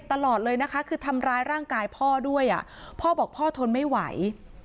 ตลอดเลยนะคะคือทำร้ายร่างกายพ่อด้วยพ่อบอกพ่อทนไม่ไหว